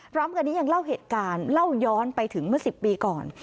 พร้อมกันนี้ยังเล่าเหตุการณ์เล่าย้อนไปถึงเมื่อ๑๐ปีก่อน